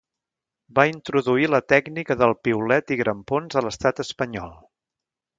Va introduir la tècnica del piolet i grampons a l'Estat espanyol.